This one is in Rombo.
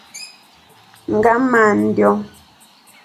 Ngamandyo.